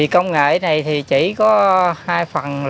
công nghệ này chỉ có hai phần